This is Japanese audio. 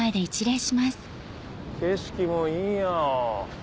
景色もいいな。